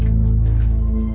terima kasih pak